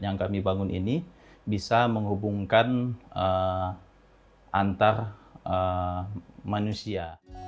yang kami bangun ini bisa menghubungkan antar manusia